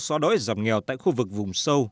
xóa đói giảm nghèo tại khu vực vùng sâu